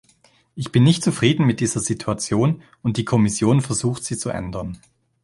Ich bin nicht zufrieden mit dieser Situation, und die Kommission versucht sie zu ändern.